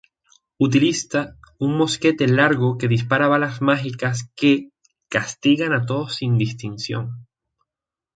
Utiliza un mosquete largo que dispara balas mágicas que "castigan a todos sin distinción".